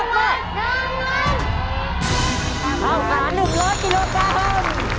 เว้าสารหนึ่งรถกิโลกรัม